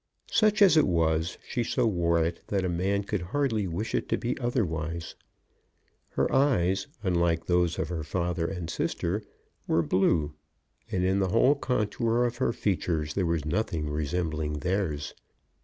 Such as it was, she so wore it that a man could hardly wish it to be otherwise. Her eyes, unlike those of her father and sister, were blue; and in the whole contour of her features there was nothing resembling theirs.